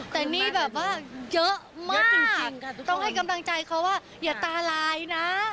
แต่นี่แบบว่าเยอะมากจริงต้องให้กำลังใจเขาว่าอย่าตาลายนะ